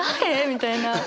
みたいな。